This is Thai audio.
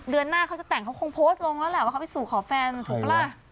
เดือนหน้าเขาจะแต่งเขาคงโพสต์ลงแล้วแหละว่าเขาไปสู่ขอแฟนถูกปะล่ะ